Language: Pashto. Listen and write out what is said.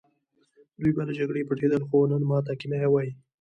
دوی به له جګړې پټېدل خو نن ماته کنایه وايي